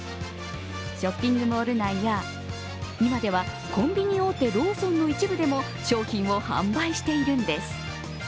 ショッピングモール内や今ではコンビニ大手ローソンの一部でも商品を販売しているんです。